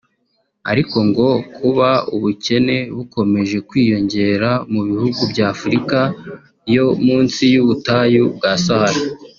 Ariko ngo kuba ubukene bukomeje kwiyongera mu bihugu by’Afrika yo munsi y’ubutayu bwa Sahara